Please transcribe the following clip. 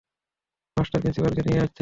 Master প্রিন্সিপালকে নিয়ে আসছে!